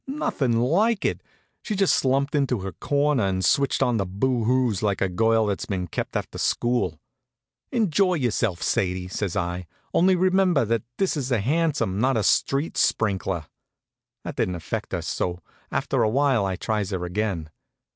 Nothin' like it. She just slumped into her corner and switched on the boo hoos like a girl that's been kept after school. "Enjoy yourself, Sadie," says I. "Only remember that this is a hansom, not a street sprinkler." That didn't fetch her; so after a while I tries her again.